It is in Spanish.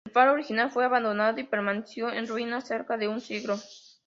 El faro original fue abandonado y permaneció en ruinas cerca de un siglo.